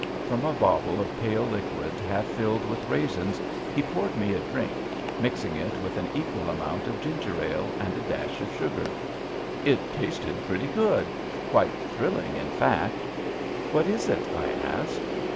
From a bottle of pale liquid half filled with raisins he poured me a drink, mixing it with an equal amount of ginger ale and a dash of sugar. It tasted pretty good, quite thrilling in fact. "What is it?" I asked.